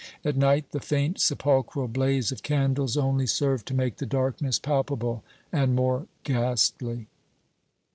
At night the faint, sepulchral blaze of candles only served to make the darkness palpable and more ghastly.